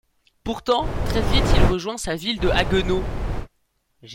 Pourtant, très vite il rejoint sa ville de Haguenau.